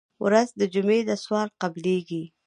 ورځ د جمعې ده سوال قبلېږي.